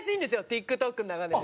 ＴｉｋＴｏｋの中でも。